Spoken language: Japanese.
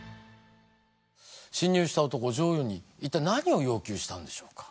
侵入した男女王に一体何を要求したんでしょうか？